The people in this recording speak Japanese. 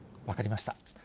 分かりました。